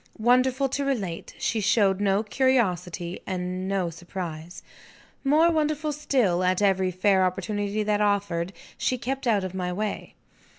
Wonderful to relate, she showed no curiosity and no surprise. More wonderful still, at every fair opportunity that offered, she kept out of my way.